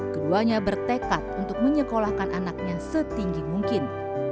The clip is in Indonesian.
keduanya bertekad untuk menyekolahkan anaknya setinggi mungkin